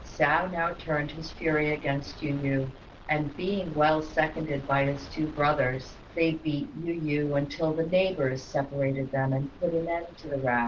Hsiao now turned his fury against Yu yü, and being well seconded by his two brothers, they beat Yu yü until the neighbours separated them and put an end to the row.